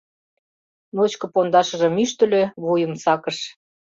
Ночко пондашыжым ӱштыльӧ, вуйым сакыш.